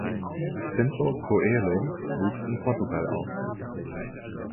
Pinto Coelho wuchs in Portugal auf.